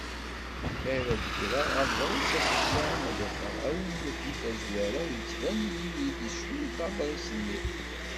Mi ara ɣreɣ aḍris aseklan ad afeɣ awennet di tazwara yettvan-iyi-d icemmet aḍris-nni.